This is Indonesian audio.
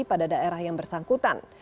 pada daerah yang bersangkutan